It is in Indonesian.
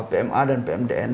pma dan pmdn